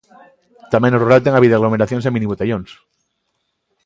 Tamén no rural ten habido aglomeracións e minibotellóns.